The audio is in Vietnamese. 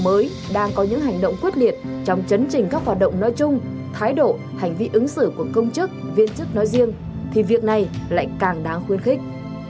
mới đang có những hành động quyết liệt trong chấn trình các hoạt động nói chung thái độ hành vi ứng xử của công chức viên chức nói riêng thì việc này lại càng đáng khuyến khích